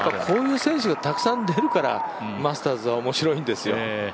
こういう選手がたくさん出るからマスターズは面白いんですよ。